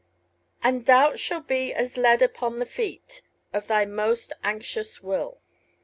And doubt shall be as lead upon the feet Of thy most anxious will.